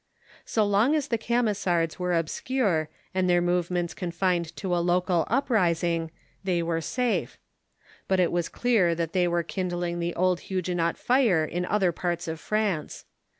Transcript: So long as the Camisards were obscure, and their movements confined to a local uprising, they were safe. But it Avas clear that they were kindling the old Huguenot fire in other parts of France.